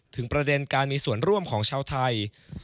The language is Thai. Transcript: ประเด็นการมีส่วนร่วมของชาวไทย